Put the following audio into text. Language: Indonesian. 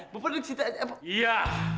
bapak pergi ke situ aja